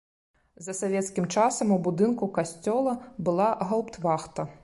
За савецкім часам у будынку касцёла была гаўптвахта.